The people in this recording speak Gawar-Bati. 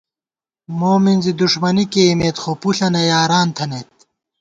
مومِنزی دُݭمَنی کېئیمېت خو پُݪَنہ یاران تھنَئیت